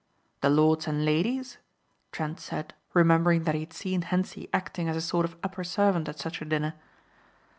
"The lords and ladies?" Trent said remembering that he had seen Hentzi acting as a sort of upper servant at such a dinner.